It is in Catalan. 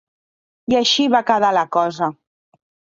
I així va quedar la cosa.